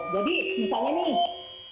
jadi misalnya nih